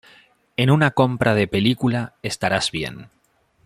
En una compra de película, estarás bien.